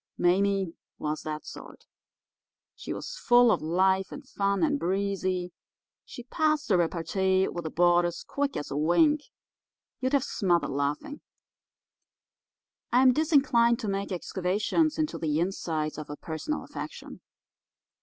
"Mame was that sort. She was full of life and fun, and breezy; she passed the repartee with the boarders quick as a wink; you'd have smothered laughing. I am disinclined to make excavations into the insides of a personal affection.